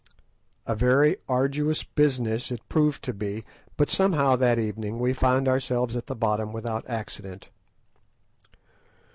A very arduous business it proved to be, but somehow that evening we found ourselves at the bottom without accident.